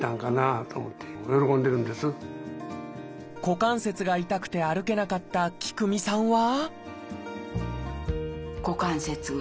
股関節が痛くて歩けなかった喜久美さんは？